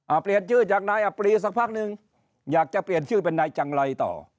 เปลี่ยนชื่อจากนายอับปรีสักพักนึงอยากจะเปลี่ยนชื่อเป็นนายจังไรต่อ